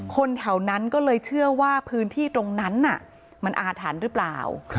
คนแถวนั้นก็เลยเชื่อว่าพื้นที่ตรงนั้นมันอาถรรพ์หรือเปล่า